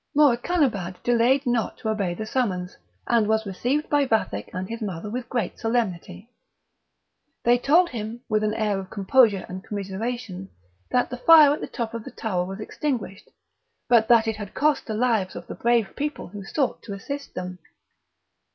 Morakanabad delayed not to obey the summons, and was received by Vathek and his mother with great solemnity; they told him, with an air of composure and commiseration, that the fire at the top of the tower was extinguished; but that it had cost the lives of the brave people who sought to assist them.